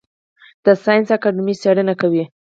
د ساینس اکاډمي څیړنې کوي